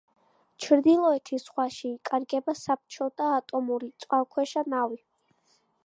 ჩრდილოეთის ზღვაში იკარგება საბჭოთა ატომური წყალქვეშა ნავი.